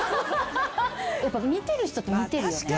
見てる人って見てるよね。